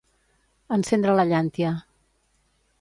Encendre la llàntia.